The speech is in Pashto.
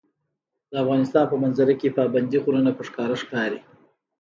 د افغانستان په منظره کې پابندي غرونه په ښکاره ښکاري.